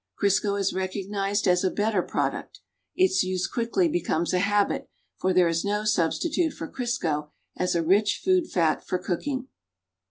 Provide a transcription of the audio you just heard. Crisco is recognized as a better product. Its use quickly becomes a habit, for there is no substi tute for Crisco as a rich food fat for cooking.